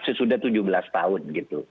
sesudah tujuh belas tahun